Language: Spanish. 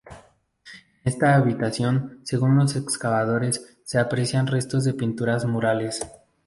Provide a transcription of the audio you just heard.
En esta habitación, según los excavadores, se apreciaban restos de pinturas murales.